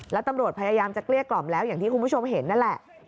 แล้วตำรวจพยายามจะเกลี้ยกล่อมแล้วอย่างที่คุณผู้ชมเห็นนั่นแหละ